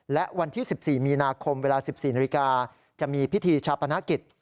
และวันที่๑๔มีนาคมเวลา๑๔นาฬิกาจะมีพิธีชาปนกิจ